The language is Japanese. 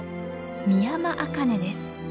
ミヤマアカネです。